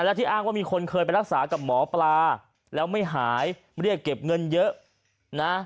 และที่อ้างว่ามีคนเคยไปรักษากับหมอปลาแล้วไม่หายเรียกเก็บเงินเยอะนะ